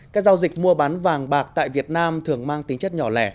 các giao dịch mua bán vàng bạc tại việt nam thường mang tính chất nhỏ lẻ